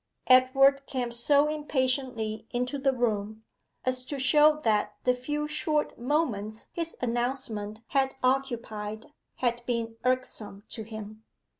Edward came so impatiently into the room, as to show that the few short moments his announcement had occupied had been irksome to him.